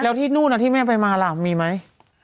แล้วที่นู่นที่แม่ไปมาล่ะมีไหม